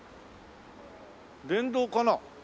電動かな？